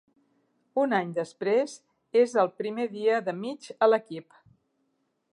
Un any després, és el primer dia de Mitch a l'equip.